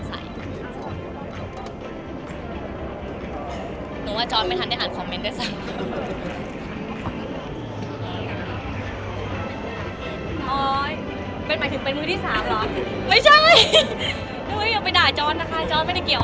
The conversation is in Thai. แล้วซีสันนี้เดี๋ยวเอ้ยมันจะเอ้ยสปอยปะเนี่ย